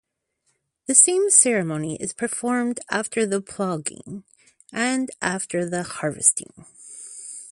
The same ceremony is performed after the ploughing and after the harvesting.